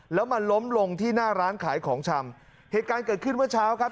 แล้วมาล้มลงที่หน้าร้านขายของชำเหตุการณ์เกิดขึ้นเมื่อเช้าครับ